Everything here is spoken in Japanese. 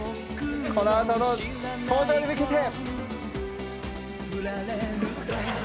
この後の登場に向けて。